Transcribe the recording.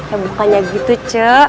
ya bukannya gitu cu